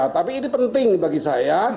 tapi ini penting bagi saya